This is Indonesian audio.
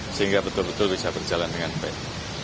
sehingga betul betul bisa berjalan dengan baik